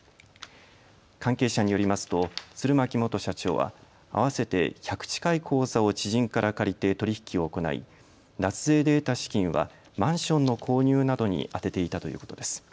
関係者によりますと釣巻元社長は合わせて１００近い口座を知人から借りて取り引きを行い脱税で得た資金はマンションの購入などに充てていたということです。